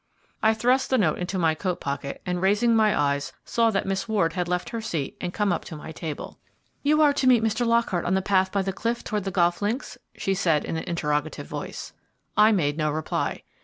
I thrust the note into my coat pocket and, raising my eyes, saw that Miss Ward had left her seat and come up to my table. "You are to meet Mr. Lockhart on the path by the cliff towards the golf links?" she said, in an interrogative voice. I made no reply.